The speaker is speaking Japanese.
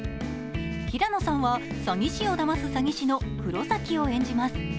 平野さんは詐欺師をだます詐欺師の黒崎を演じます。